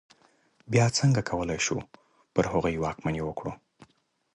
بیا څنګه کولای شو پر هغوی واکمني وکړو.